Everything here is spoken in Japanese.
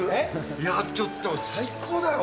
いや、ちょっと最高だよ。